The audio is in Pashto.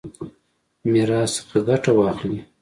میراث څخه ګټه واخلي.